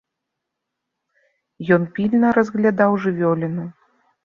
Ён пільна разглядаў жывёліну.